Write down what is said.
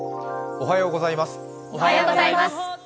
おはようございます。